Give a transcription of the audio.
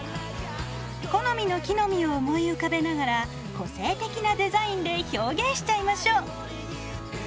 好みの木の実を思い浮かべながら個性的なデザインで表現しちゃいましょ。